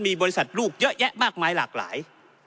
มีบริษัทลูกเยอะแยะมากมายหลากหลาย